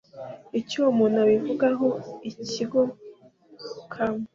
icyo uwo muntu abivugaho ikigo cma